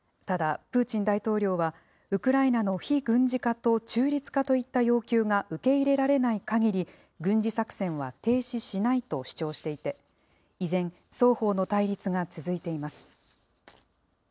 ただ、プーチン大統領はウクライナの非軍事化と中立化といった要求が受け入れられないかぎり軍事作戦は停止しないと主張していて、依然、双方の対立が続いています。